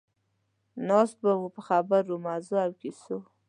ناست به وو په خبرو، مزو او کیسو.